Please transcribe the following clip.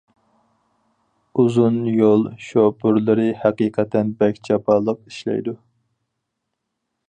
ئۇزۇن يول شوپۇرلىرى ھەقىقەتەن بەك جاپالىق ئىشلەيدۇ.